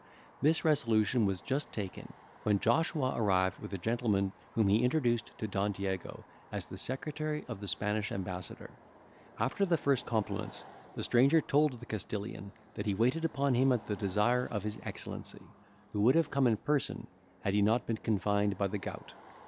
This resolution was just taken, when Joshua arrived with a gentleman whom he introduced to Don Diego as the secretary of the Spanish ambassador. After the first compliments, the stranger told the Castilian, that he waited upon him at the desire of his Excellency, who would have come in person, had he not been confined by the gout.